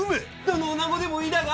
どの女子でもいいだが。